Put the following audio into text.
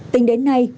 tình đến nay